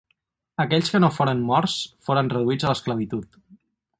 Aquells que no foren morts foren reduïts a l'esclavitud.